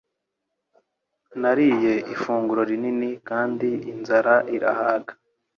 Nariye ifunguro rinini kandi inzara irahaga.